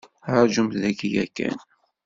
Ṛajumt daki yakan.